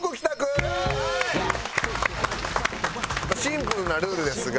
シンプルなルールですが。